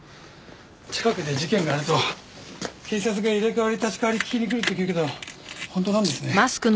近くで事件があると警察が入れ代わり立ち代わり聞きに来るって聞くけど本当なんですね。